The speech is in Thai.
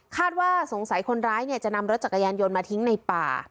ว่าสงสัยคนร้ายจะนำรถจักรยานยนต์มาทิ้งในป่า